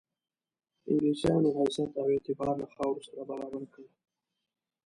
انګلیسیانو حیثیت او اعتبار له خاورو سره برابر کړي.